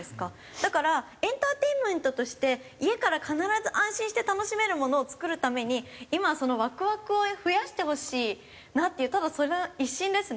だからエンターテインメントして家から必ず安心して楽しめるものを作るために今はそのワクワクを増やしてほしいなっていうただその一心ですね。